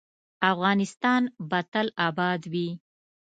افغانستان به تل اباد وي